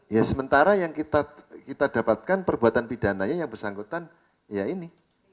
ya sementara yang kita dapatkan perbuatan pidananya yang bersangkutan ya ini